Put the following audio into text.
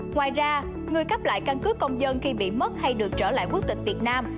ngoài ra người cấp lại căn cứ công dân khi bị mất hay được trở lại quốc tịch việt nam